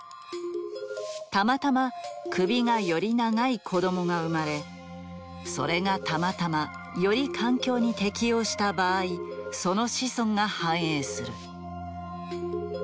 たまたま首がより長い子供が生まれそれがたまたまより環境に適応した場合その子孫が繁栄する。